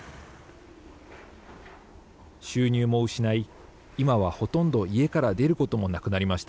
収入も失い、今はほとんど家から出ることもなくなりました。